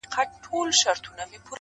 دلته بله محکمه وي فیصلې وي,